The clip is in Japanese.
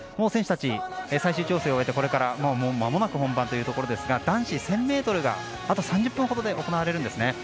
選手たち、最終調整を終えてこれからまもなく本番ということですが男子１０００ｍがあと３０分ほどで行われるんです。